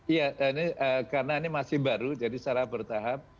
iya ini karena ini masih baru jadi secara bertahap